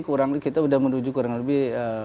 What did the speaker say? kurang lebih kita sudah menuju kurang lebih